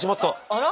あら！